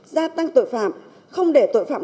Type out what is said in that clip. gia tăng tội phạm không để tội phạm